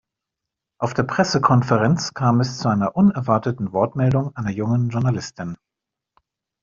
Auf der Pressekonferenz kam es zu einer unerwarteten Wortmeldung einer jungen Journalistin.